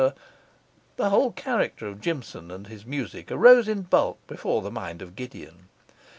the whole character of Jimson and his music arose in bulk before the mind of Gideon.